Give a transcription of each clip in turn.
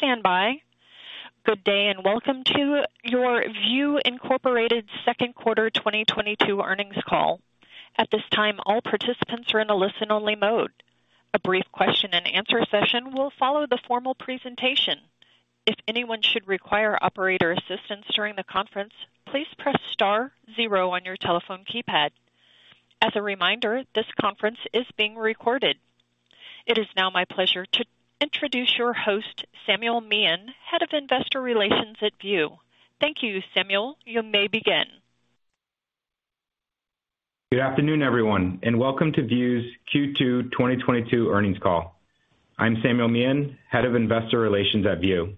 Please stand by. Good day, and welcome to your View, Inc second quarter 2022 earnings call. At this time, all participants are in a listen only mode. A brief question and answer session will follow the formal presentation. If anyone should require operator assistance during the conference, please press star zero on your telephone keypad. As a reminder, this conference is being recorded. It is now my pleasure to introduce your host, Samuel Meehan, Head of Investor Relations at View. Thank you, Samuel. You may begin. Good afternoon, everyone, and welcome to View's Q2 2022 earnings call. I'm Samuel Meehan, Head of Investor Relations at View.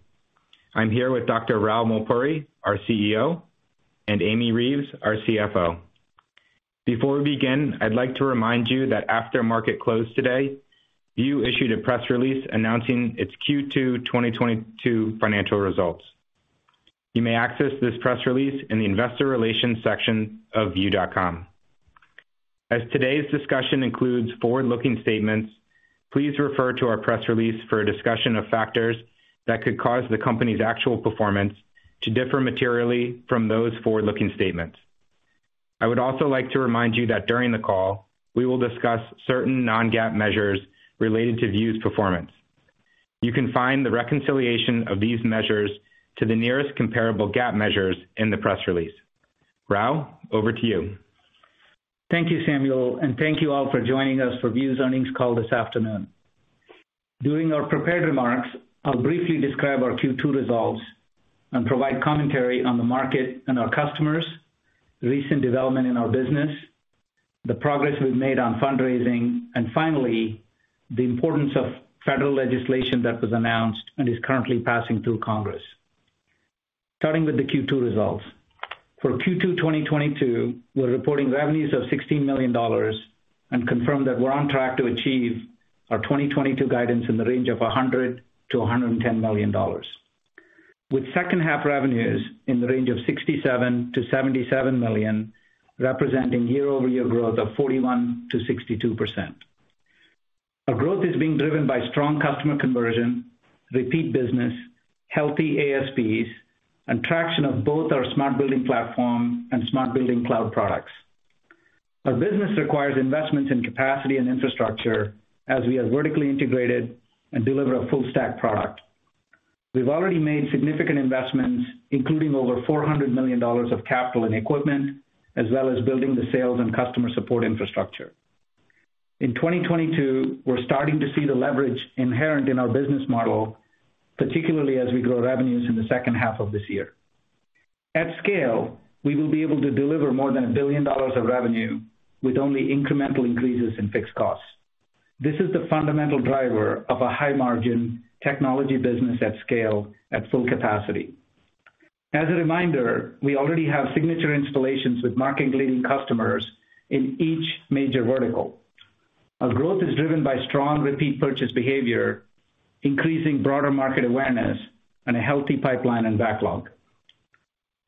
I'm here with Dr. Rao Mulpuri, our CEO, and Amy Reeves, our CFO. Before we begin, I'd like to remind you that after market closed today, View issued a press release announcing its Q2 2022 financial results. You may access this press release in the investor relations section of view.com. As today's discussion includes forward-looking statements, please refer to our press release for a discussion of factors that could cause the company's actual performance to differ materially from those forward-looking statements. I would also like to remind you that during the call, we will discuss certain non-GAAP measures related to View's performance. You can find the reconciliation of these measures to the nearest comparable GAAP measures in the press release. Rao, over to you. Thank you, Samuel, and thank you all for joining us for View's earnings call this afternoon. During our prepared remarks, I'll briefly describe our Q2 results and provide commentary on the market and our customers, recent development in our business, the progress we've made on fundraising, and finally, the importance of federal legislation that was announced and is currently passing through Congress. Starting with the Q2 results. For Q2 2022, we're reporting revenues of $16 million and confirm that we're on track to achieve our 2022 guidance in the range of $100-$110 million, with second half revenues in the range of $67-$77 million, representing year-over-year growth of 41%-62%. Our growth is being driven by strong customer conversion, repeat business, healthy ASPs, and traction of both our smart building platform and smart building cloud products. Our business requires investments in capacity and infrastructure as we are vertically integrated and deliver a full stack product. We've already made significant investments, including over $400 million of capital and equipment, as well as building the sales and customer support infrastructure. In 2022, we're starting to see the leverage inherent in our business model, particularly as we grow revenues in the second half of this year. At scale, we will be able to deliver more than $1 billion of revenue with only incremental increases in fixed costs. This is the fundamental driver of a high margin technology business at scale at full capacity. As a reminder, we already have signature installations with market leading customers in each major vertical. Our growth is driven by strong repeat purchase behavior, increasing broader market awareness, and a healthy pipeline and backlog.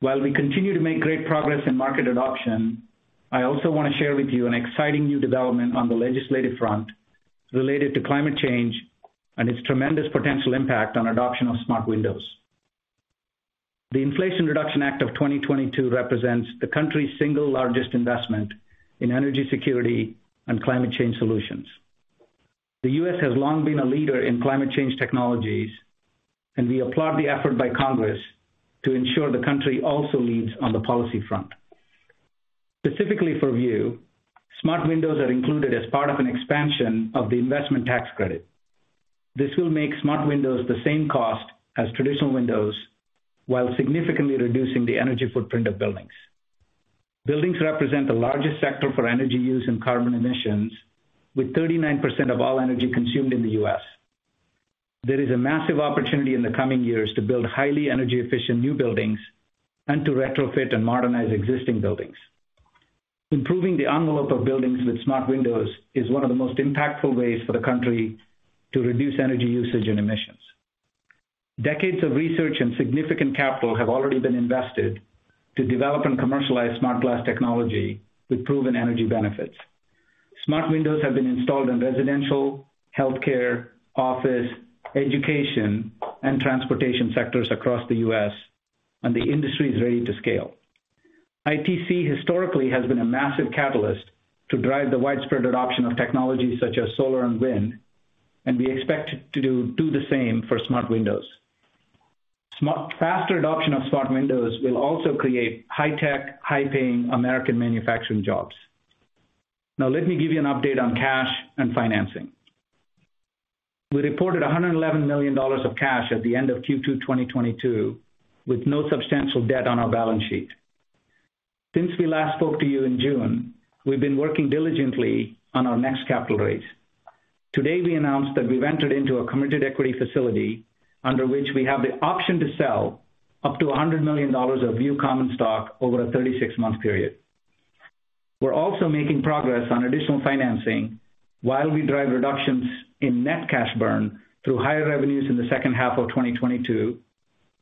While we continue to make great progress in market adoption, I also wanna share with you an exciting new development on the legislative front related to climate change and its tremendous potential impact on adoption of smart windows. The Inflation Reduction Act of 2022 represents the country's single largest investment in energy security and climate change solutions. The U.S. has long been a leader in climate change technologies, and we applaud the effort by Congress to ensure the country also leads on the policy front. Specifically for View, smart windows are included as part of an expansion of the investment tax credit. This will make smart windows the same cost as traditional windows while significantly reducing the energy footprint of buildings. Buildings represent the largest sector for energy use and carbon emissions, with 39% of all energy consumed in the U.S. There is a massive opportunity in the coming years to build highly energy efficient new buildings and to retrofit and modernize existing buildings. Improving the envelope of buildings with smart windows is one of the most impactful ways for the country to reduce energy usage and emissions. Decades of research and significant capital have already been invested to develop and commercialize smart glass technology with proven energy benefits. Smart windows have been installed in residential, healthcare, office, education, and transportation sectors across the U.S., and the industry is ready to scale. ITC historically has been a massive catalyst to drive the widespread adoption of technologies such as solar and wind, and we expect it to do the same for smart windows. Faster adoption of smart windows will also create high-tech, high-paying American manufacturing jobs. Now let me give you an update on cash and financing. We reported $111 million of cash at the end of Q2 2022, with no substantial debt on our balance sheet. Since we last spoke to you in June, we've been working diligently on our next capital raise. Today, we announced that we've entered into a committed equity facility under which we have the option to sell up to $100 million of View common stock over a 36-month period. We're also making progress on additional financing while we drive reductions in net cash burn through higher revenues in the second half of 2022,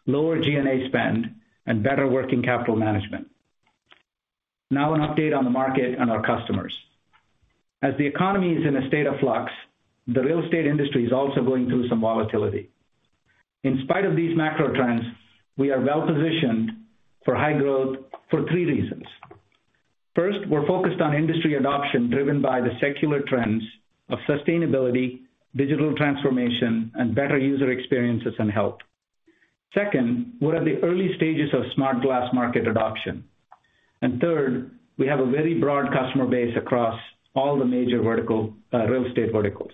lower G&A spend, and better working capital management. Now an update on the market and our customers. As the economy is in a state of flux, the real estate industry is also going through some volatility. In spite of these macro trends, we are well-positioned for high growth for three reasons. First, we're focused on industry adoption driven by the secular trends of sustainability, digital transformation, and better user experiences and health. Second, we're at the early stages of smart glass market adoption. Third, we have a very broad customer base across all the major real estate verticals.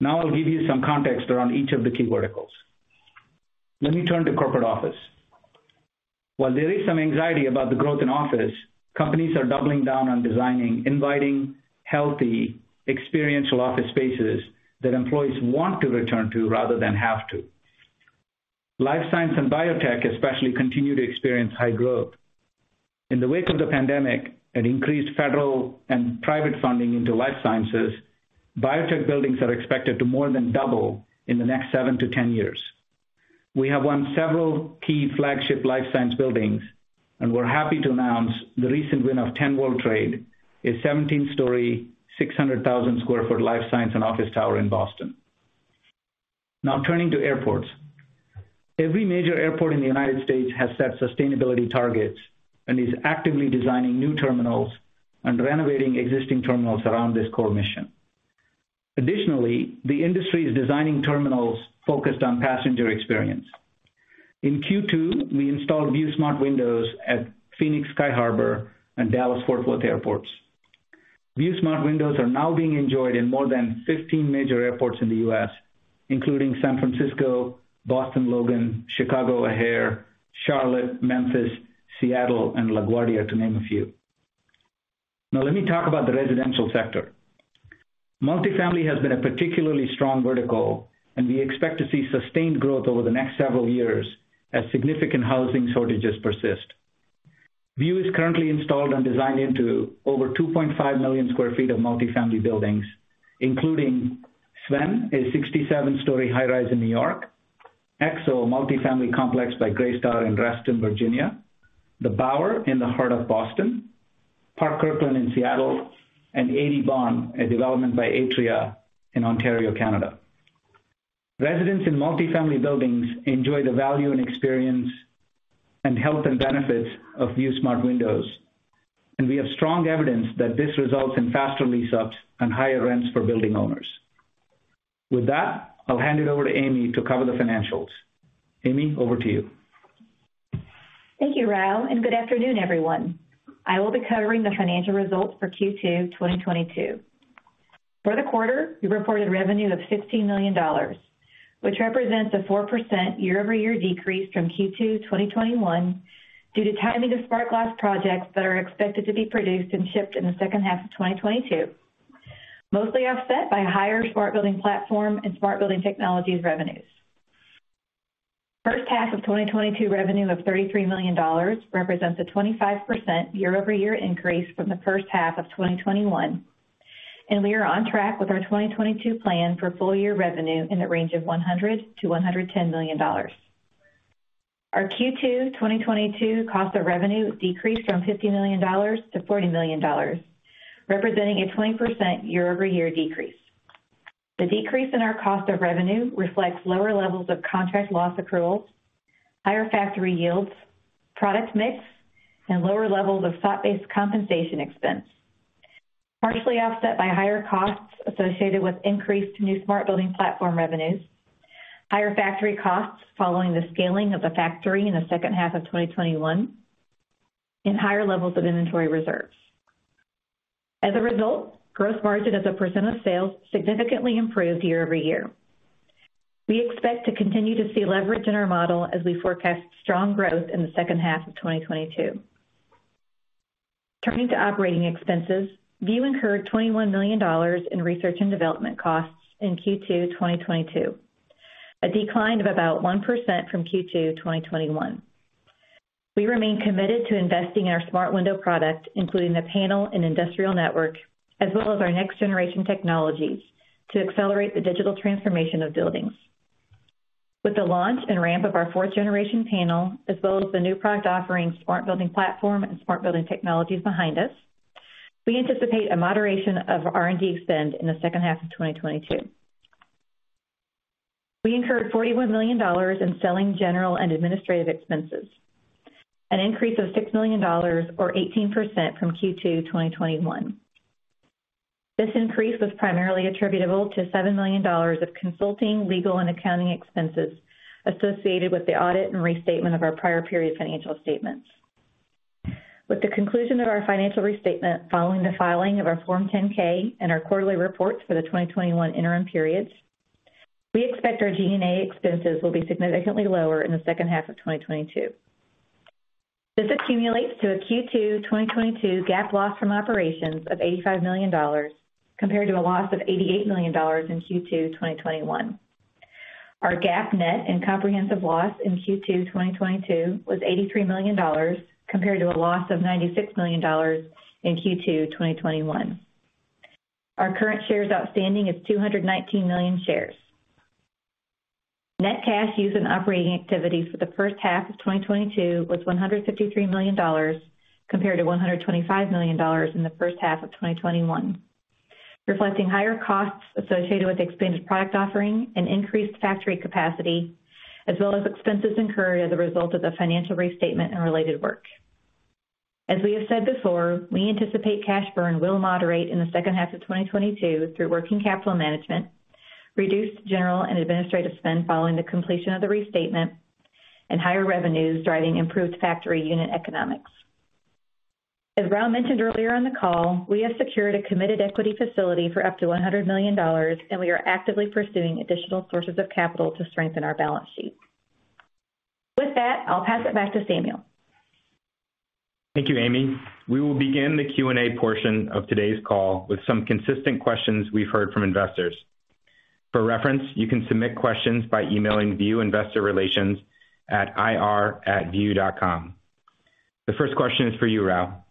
Now I'll give you some context around each of the key verticals. Let me turn to corporate office. While there is some anxiety about the growth in office, companies are doubling down on designing inviting, healthy, experiential office spaces that employees want to return to rather than have to. Life science and biotech especially continue to experience high growth. In the wake of the pandemic and increased federal and private funding into life sciences, biotech buildings are expected to more than double in the next 7-10 years. We have won several key flagship life science buildings, and we're happy to announce the recent win of 10 World Trade, a 17-story, 600,000 sq ft life science and office tower in Boston. Now turning to airports. Every major airport in the United States has set sustainability targets and is actively designing new terminals and renovating existing terminals around this core mission. Additionally, the industry is designing terminals focused on passenger experience. In Q2, we installed View Smart Windows at Phoenix Sky Harbor and Dallas Fort Worth airports. View Smart Windows are now being enjoyed in more than 15 major airports in the U.S., including San Francisco, Boston Logan, Chicago O'Hare, Charlotte, Memphis, Seattle, and LaGuardia, to name a few. Now let me talk about the residential sector. Multifamily has been a particularly strong vertical, and we expect to see sustained growth over the next several years as significant housing shortages persist. View is currently installed and designed into over 2.5 million sq ft of multifamily buildings, including Sven, a 67-story high-rise in New York, Exo multifamily complex by Greystar in Reston, Virginia, The Bower in the heart of Boston, Park Kirkland in Seattle, and Eighty Bond, a development by Atria in Ontario, Canada. Residents in multifamily buildings enjoy the value and experience and health and benefits of View Smart Windows, and we have strong evidence that this results in faster lease-ups and higher rents for building owners. With that, I'll hand it over to Amy to cover the financials. Amy, over to you. Thank you, Rao, and good afternoon, everyone. I will be covering the financial results for Q2 2022. For the quarter, we reported revenue of $15 million, which represents a 4% year-over-year decrease from Q2 2021 due to timing of smart glass projects that are expected to be produced and shipped in the second half of 2022, mostly offset by higher smart building platform and smart building technologies revenues. First half of 2022 revenue of $33 million represents a 25% year-over-year increase from the first half of 2021, and we are on track with our 2022 plan for full year revenue in the range of $100 million-$110 million. Our Q2 2022 cost of revenue decreased from $50 million to $40 million, representing a 20% year-over-year decrease. The decrease in our cost of revenue reflects lower levels of contract loss accruals, higher factory yields, product mix, and lower levels of stock-based compensation expense, partially offset by higher costs associated with increased new smart building platform revenues, higher factory costs following the scaling of the factory in the second half of 2021, and higher levels of inventory reserves. As a result, gross margin as a % of sales significantly improved year-over-year. We expect to continue to see leverage in our model as we forecast strong growth in the second half of 2022. Turning to operating expenses, View incurred $21 million in research and development costs in Q2 2022, a decline of about 1% from Q2 2021. We remain committed to investing in our smart window product, including the panel and industrial network, as well as our next generation technologies to accelerate the digital transformation of buildings. With the launch and ramp of our fourth generation panel, as well as the new product offerings, Smart Building Platform and Smart Building Technologies behind us, we anticipate a moderation of R&D spend in the second half of 2022. We incurred $41 million in selling, general and administrative expenses, an increase of $6 million or 18% from Q2 2021. This increase was primarily attributable to $7 million of consulting, legal and accounting expenses associated with the audit and restatement of our prior period financial statements. With the conclusion of our financial restatement following the filing of our Form 10-K and our quarterly reports for the 2021 interim periods, we expect our G&A expenses will be significantly lower in the second half of 2022. This accumulates to a Q2 2022 GAAP loss from operations of $85 million, compared to a loss of $88 million in Q2 2021. Our GAAP net and comprehensive loss in Q2 2022 was $83 million, compared to a loss of $96 million in Q2 2021. Our current shares outstanding is 219 million shares. Net cash used in operating activities for the first half of 2022 was $153 million compared to $125 million in the first half of 2021, reflecting higher costs associated with expanded product offering and increased factory capacity, as well as expenses incurred as a result of the financial restatement and related work. We anticipate cash burn will moderate in the second half of 2022 through working capital management, reduced general and administrative spend following the completion of the restatement, and higher revenues driving improved factory unit economics. Rao mentioned earlier on the call, we have secured a committed equity facility for up to $100 million, and we are actively pursuing additional sources of capital to strengthen our balance sheet. With that, I'll pass it back to Samuel. Thank you, Amy. We will begin the Q&A portion of today's call with some consistent questions we've heard from investors. For reference, you can submit questions by emailing View Investor Relations at ir@view.com. The first question is for you, Rao.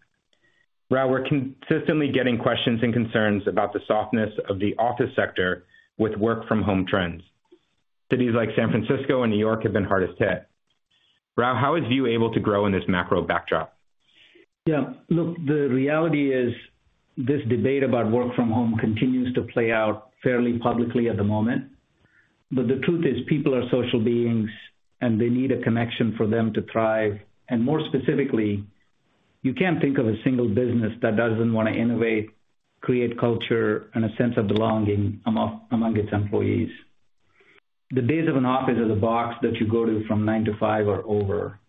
Rao, we're consistently getting questions and concerns about the softness of the office sector with work from home trends. Cities like San Francisco and New York have been hardest hit. Rao, how is View able to grow in this macro backdrop? Yeah. Look, the reality is this debate about work from home continues to play out fairly publicly at the moment. The truth is people are social beings, and they need a connection for them to thrive. More specifically, you can't think of a single business that doesn't wanna innovate, create culture and a sense of belonging among its employees. The days of an office as a box that you go to from nine to five are over.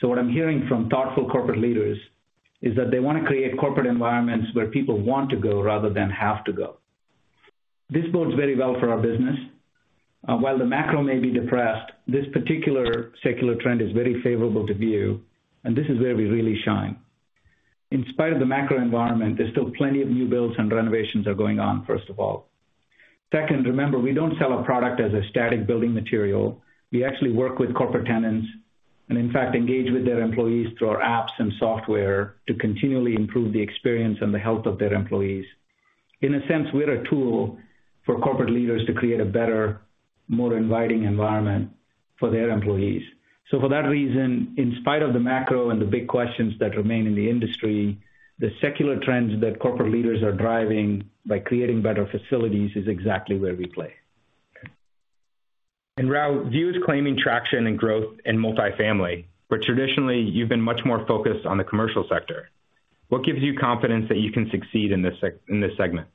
What I'm hearing from thoughtful corporate leaders is that they wanna create corporate environments where people want to go rather than have to go. This bodes very well for our business. While the macro may be depressed, this particular secular trend is very favorable to View, and this is where we really shine. In spite of the macro environment, there's still plenty of new builds and renovations are going on, first of all. Second, remember, we don't sell a product as a static building material. We actually work with corporate tenants and in fact engage with their employees through our apps and software to continually improve the experience and the health of their employees. In a sense, we're a tool for corporate leaders to create a better, more inviting environment for their employees. For that reason, in spite of the macro and the big questions that remain in the industry, the secular trends that corporate leaders are driving by creating better facilities is exactly where we play. Rao, View is claiming traction and growth in multifamily, but traditionally you've been much more focused on the commercial sector. What gives you confidence that you can succeed in this segment?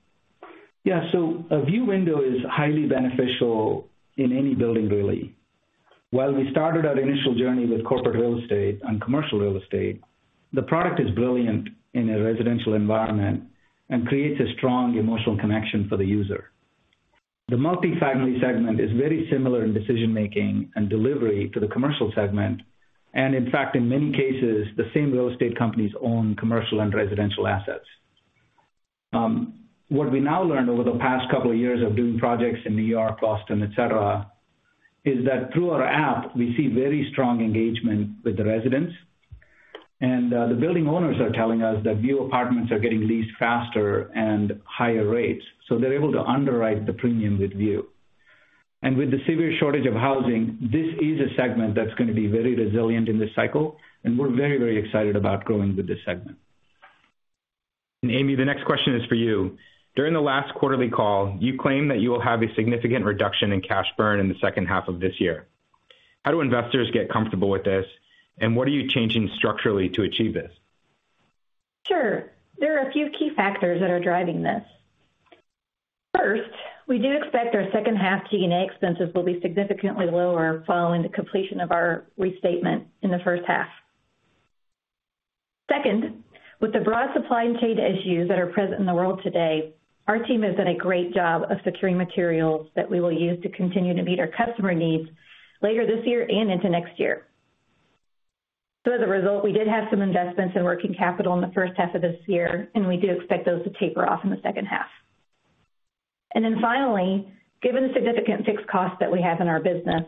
Yeah. A View window is highly beneficial in any building, really. While we started our initial journey with corporate real estate and commercial real estate, the product is brilliant in a residential environment and creates a strong emotional connection for the user. The multifamily segment is very similar in decision-making and delivery to the commercial segment. In fact, in many cases, the same real estate companies own commercial and residential assets. What we now learned over the past couple of years of doing projects in New York, Boston, et cetera, is that through our app, we see very strong engagement with the residents. The building owners are telling us that View apartments are getting leased faster and higher rates, so they're able to underwrite the premium with View. With the severe shortage of housing, this is a segment that's gonna be very resilient in this cycle, and we're very, very excited about growing with this segment. Amy, the next question is for you. During the last quarterly call, you claimed that you will have a significant reduction in cash burn in the second half of this year. How do investors get comfortable with this, and what are you changing structurally to achieve this? Sure. There are a few key factors that are driving this. First, we do expect our second half G&A expenses will be significantly lower following the completion of our restatement in the first half. Second, with the broad supply and trade issues that are present in the world today, our team has done a great job of securing materials that we will use to continue to meet our customer needs later this year and into next year. As a result, we did have some investments in working capital in the first half of this year, and we do expect those to taper off in the second half. Finally, given the significant fixed costs that we have in our business,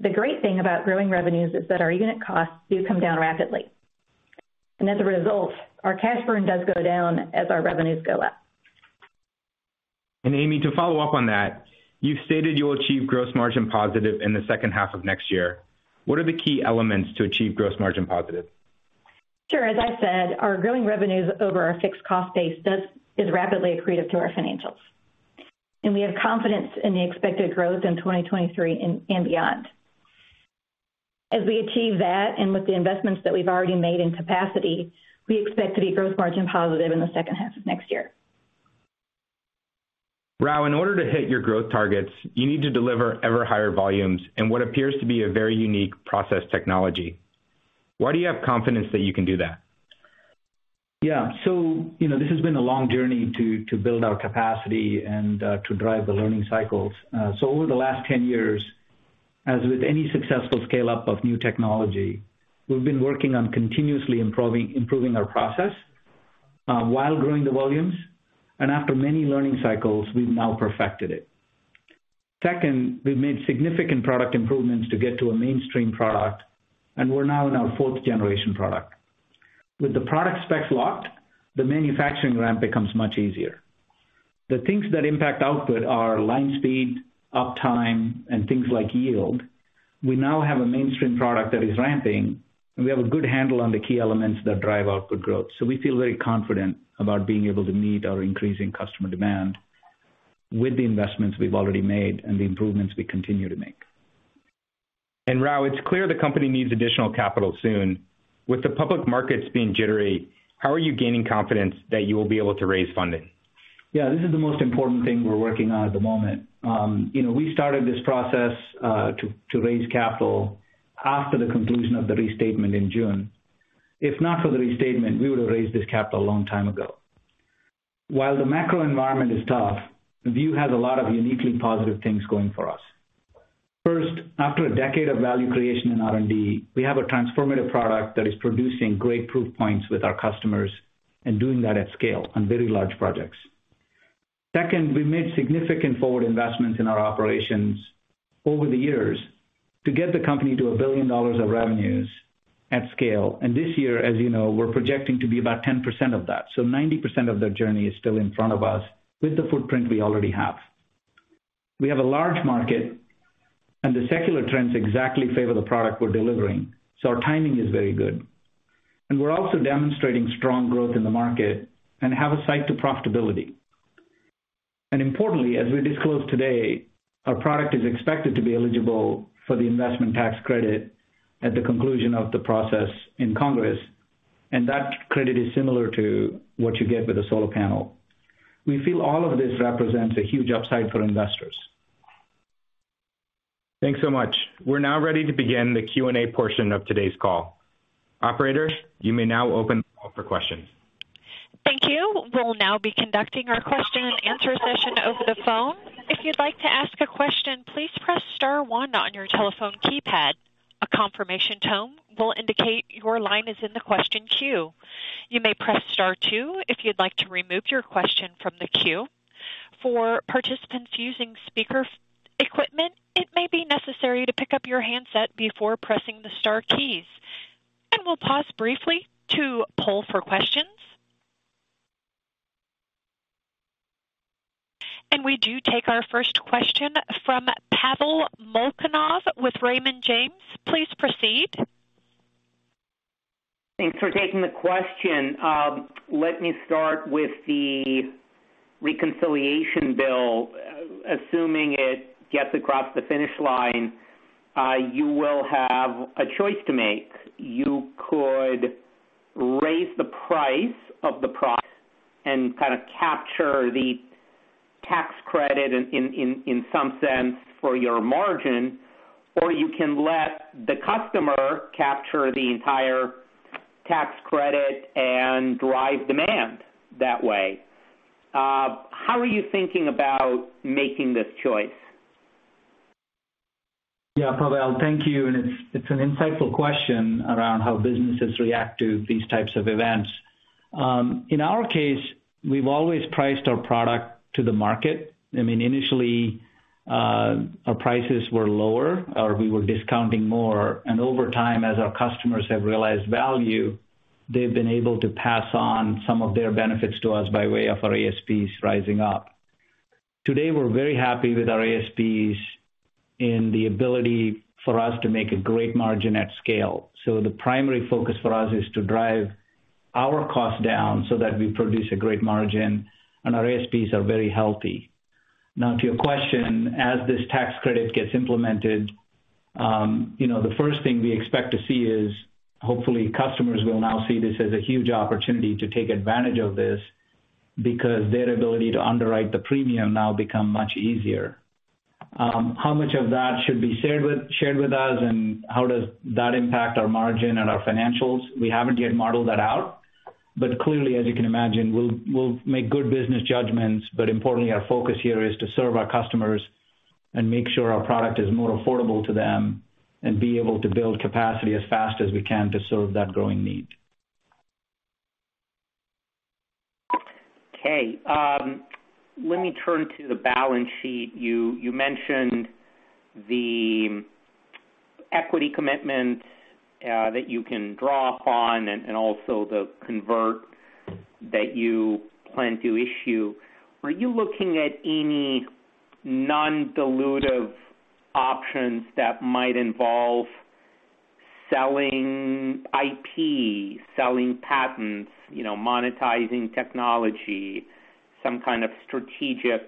the great thing about growing revenues is that our unit costs do come down rapidly. As a result, our cash burn does go down as our revenues go up. Amy, to follow up on that, you've stated you will achieve gross margin positive in the second half of next year. What are the key elements to achieve gross margin positive? Sure. As I said, our growing revenues over our fixed cost base is rapidly accretive to our financials. We have confidence in the expected growth in 2023 and beyond. As we achieve that, and with the investments that we've already made in capacity, we expect to be gross margin positive in the second half of next year. Rao, in order to hit your growth targets, you need to deliver ever higher volumes in what appears to be a very unique process technology. Why do you have confidence that you can do that? Yeah. You know, this has been a long journey to build our capacity and to drive the learning cycles. Over the last 10 years, as with any successful scale-up of new technology, we've been working on continuously improving our process while growing the volumes. After many learning cycles, we've now perfected it. Second, we've made significant product improvements to get to a mainstream product, and we're now in our fourth generation product. With the product specs locked, the manufacturing ramp becomes much easier. The things that impact output are line speed, uptime, and things like yield. We now have a mainstream product that is ramping, and we have a good handle on the key elements that drive output growth. We feel very confident about being able to meet our increasing customer demand with the investments we've already made and the improvements we continue to make. Rao, it's clear the company needs additional capital soon. With the public markets being jittery, how are you gaining confidence that you will be able to raise funding? Yeah, this is the most important thing we're working on at the moment. You know, we started this process to raise capital after the conclusion of the restatement in June. If not for the restatement, we would have raised this capital a long time ago. While the macro environment is tough, View has a lot of uniquely positive things going for us. First, after a decade of value creation in R&D, we have a transformative product that is producing great proof points with our customers and doing that at scale on very large projects. Second, we made significant forward investments in our operations over the years to get the company to $1 billion of revenues at scale. This year, as you know, we're projecting to be about 10% of that. 90% of that journey is still in front of us with the footprint we already have. We have a large market, and the secular trends exactly favor the product we're delivering, so our timing is very good. We're also demonstrating strong growth in the market and have a path to profitability. Importantly, as we disclosed today, our product is expected to be eligible for the investment tax credit at the conclusion of the process in Congress, and that credit is similar to what you get with a solar panel. We feel all of this represents a huge upside for investors. Thanks so much. We're now ready to begin the Q&A portion of today's call. Operator, you may now open the call for questions. Thank you. We'll now be conducting our question and answer session over the phone. If you'd like to ask a question, please press star one on your telephone keypad. A confirmation tone will indicate your line is in the question queue. You may press star two if you'd like to remove your question from the queue. For participants using speaker equipment, it may be necessary to pick up your handset before pressing the star keys. I will pause briefly to poll for questions. We do take our first question from Pavel Molchanov with Raymond James. Please proceed. Thanks for taking the question. Let me start with the reconciliation bill. Assuming it gets across the finish line, you will have a choice to make. You could raise the price of the product and kinda capture the tax credit in some sense for your margin, or you can let the customer capture the entire tax credit and drive demand that way. How are you thinking about making this choice? Yeah. Pavel, thank you. It's an insightful question around how businesses react to these types of events. In our case, we've always priced our product to the market. I mean, initially, our prices were lower or we were discounting more. Over time, as our customers have realized value, they've been able to pass on some of their benefits to us by way of our ASPs rising up. Today, we're very happy with our ASPs and the ability for us to make a great margin at scale. The primary focus for us is to drive our costs down so that we produce a great margin, and our ASPs are very healthy. Now, to your question, as this tax credit gets implemented, you know, the first thing we expect to see is hopefully customers will now see this as a huge opportunity to take advantage of this because their ability to underwrite the premium now become much easier. How much of that should be shared with us and how does that impact our margin and our financials? We haven't yet modeled that out, but clearly, as you can imagine, we'll make good business judgments. Importantly, our focus here is to serve our customers and make sure our product is more affordable to them and be able to build capacity as fast as we can to serve that growing need. Okay. Let me turn to the balance sheet. You mentioned the equity commitment that you can draw upon and also the convertible that you plan to issue. Are you looking at any non-dilutive options that might involve selling IP, selling patents, you know, monetizing technology, some kind of strategic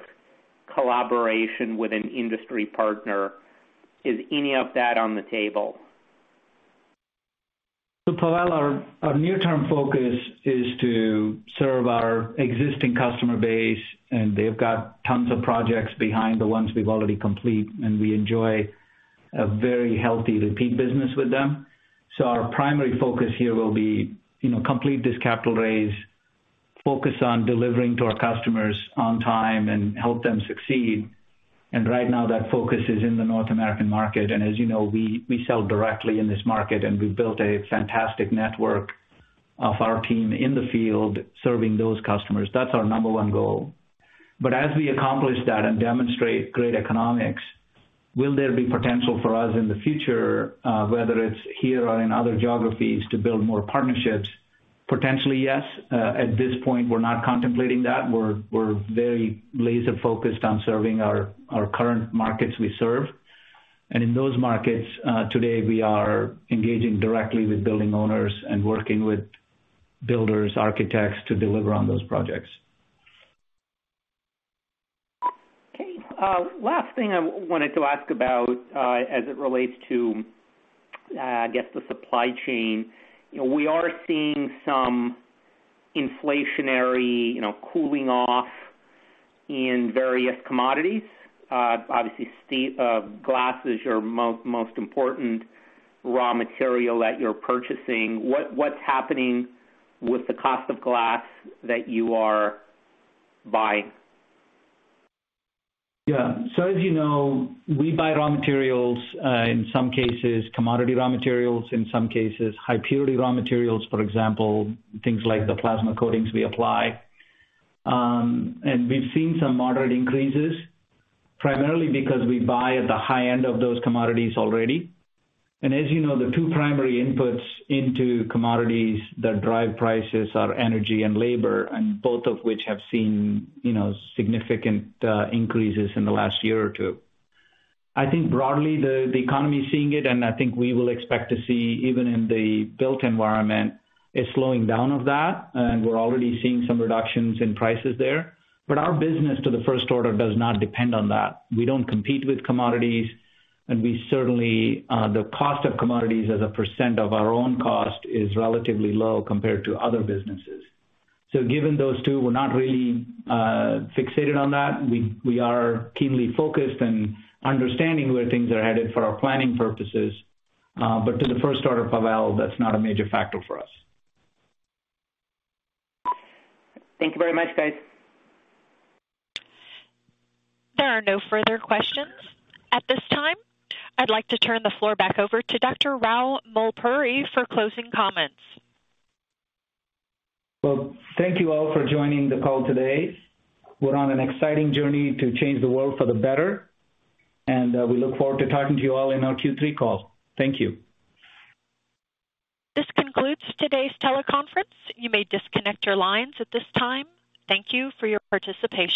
collaboration with an industry partner? Is any of that on the table? Pavel, our near-term focus is to serve our existing customer base, and they've got tons of projects behind the ones we've already complete, and we enjoy a very healthy repeat business with them. Our primary focus here will be, you know, complete this capital raise, focus on delivering to our customers on time and help them succeed. Right now that focus is in the North American market. As you know, we sell directly in this market and we've built a fantastic network of our team in the field serving those customers. That's our number one goal. As we accomplish that and demonstrate great economics. Will there be potential for us in the future, whether it's here or in other geographies, to build more partnerships? Potentially, yes. At this point, we're not contemplating that. We're very laser-focused on serving our current markets we serve. In those markets, today we are engaging directly with building owners and working with builders, architects to deliver on those projects. Okay. Last thing I wanted to ask about, as it relates to, I guess, the supply chain. We are seeing some inflationary, you know, cooling off in various commodities. Obviously, glass is the most important raw material that you're purchasing. What's happening with the cost of glass that you are buying? Yeah. As you know, we buy raw materials, in some cases commodity raw materials, in some cases high purity raw materials, for example, things like the plasma coatings we apply. We've seen some moderate increases, primarily because we buy at the high end of those commodities already. As you know, the two primary inputs into commodities that drive prices are energy and labor, and both of which have seen, you know, significant increases in the last year or two. I think broadly, the economy is seeing it, and I think we will expect to see, even in the built environment, a slowing down of that, and we're already seeing some reductions in prices there. Our business to the first order does not depend on that. We don't compete with commodities, and we certainly the cost of commodities as a percent of our own cost is relatively low compared to other businesses. Given those two, we're not really fixated on that. We are keenly focused and understanding where things are headed for our planning purposes. To the first order, Pavel, that's not a major factor for us. Thank you very much, guys. There are no further questions. At this time, I'd like to turn the floor back over to Dr. Rao Mulpuri for closing comments. Well, thank you all for joining the call today. We're on an exciting journey to change the world for the better, and we look forward to talking to you all in our Q3 call. Thank you. This concludes today's teleconference. You may disconnect your lines at this time. Thank you for your participation.